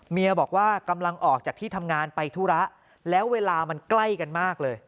เมียบอกว่ากำลังออกจากที่ทำงานไปธุระแล้วเวลามันใกล้กันมากเลย